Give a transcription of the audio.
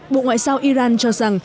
bộ ngoại giao iran cho rằng